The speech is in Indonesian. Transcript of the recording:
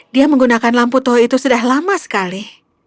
dia menggunakan lampu toyo itu sudah lama sekali